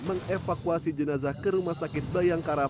mengevakuasi jenazah ke rumah sakit bayangkara